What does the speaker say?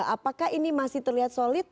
apakah ini masih terlihat solid